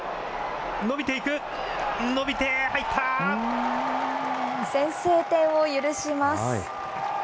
伸びていく、伸びて、先制点を許します。